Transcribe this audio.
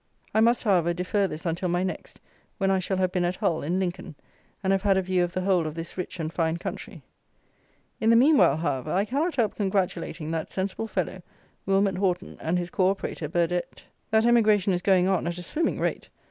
I must, however, defer this until my next, when I shall have been at Hull and Lincoln, and have had a view of the whole of this rich and fine country. In the meanwhile, however, I cannot help congratulating that sensible fellow, Wilmot Horton, and his co operator, Burdett, that Emigration is going on at a swimming rate.